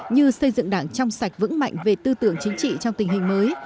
như xây dựng đảng trong sạch vững mạnh về tư tưởng chính trị trong tình hình mới